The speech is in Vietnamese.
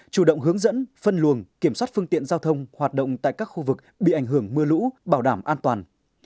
chủ động hướng dẫn phân luồng kiểm soát phương tiện giao thông hoạt động tại các khu vực bị ảnh hưởng mưa lũ bảo đảm an toàn